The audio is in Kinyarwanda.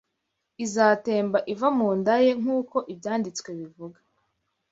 izatemba iva mu nda ye, nk’uko ibyanditswe bivuga